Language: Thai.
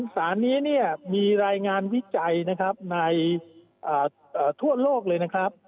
สารนี้มีรายงานวิจัยนะครับในทั่วโลกเลยนะครับ